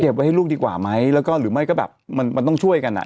ไว้ให้ลูกดีกว่าไหมแล้วก็หรือไม่ก็แบบมันมันต้องช่วยกันอ่ะ